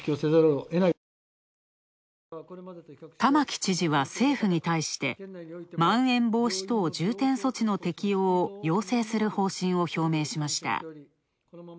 玉城知事は政府に対してまん延防止等重点措置の適用を要請する方針を表明しました。